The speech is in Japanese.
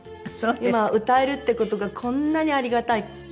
今は歌えるって事がこんなにありがたい。